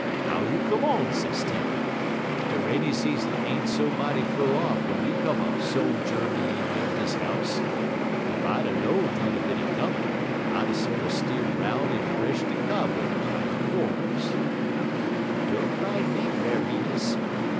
"How you come on, Sis Tempy? De rainy season ain't so mighty fur off w'en you come a sojourneyin' in dis house. Ef I'd a know'd you'd a bin a comin' I'd a sorter steered 'roun' en bresh'd de cobwebs out'n de cornders." "Don't min' me, Brer Remus.